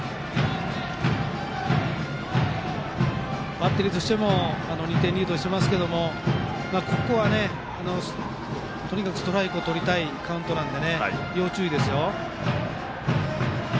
バッテリーとしても２点リードしていますがここはとにかくストライクをとりたいカウントなので要注意ですよ。